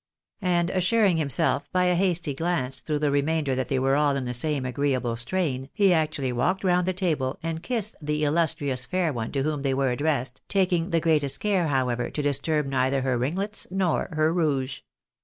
And assuring himself by a hasty glance through the remainder that they were all in the same agreeable strain, he actually walked round the table and kissed the illustrious fair one to whom they were addressed, taking the greatest care, however, to disturb neither her ringlets nor her rouge.